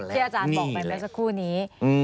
พี่อาจารย์บอกแบบนี้สักครู่นี้